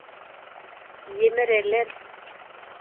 Емерелер.